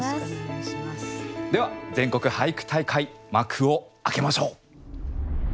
では全国俳句大会幕を開けましょう。